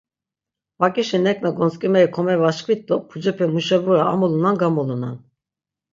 Bak̆işi nek̆na gontzk̆imeri komevaşkvit do pucepe muşebura amulunan gamulunan.